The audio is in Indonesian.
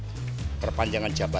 mereka berpikir agar muldi itu jahe